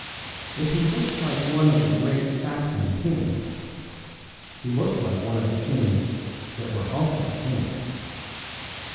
If he looked like one of the great Saxon kings, he looked like one of the kings that were also saints.